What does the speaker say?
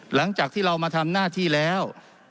หลังจากที่เรามาทำหน้าที่แล้ว